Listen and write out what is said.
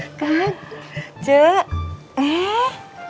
masa calon biasa cium tangan